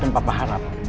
dan papa harap